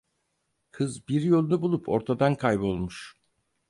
Kız bir yolunu bulup ortadan kaybolmuş.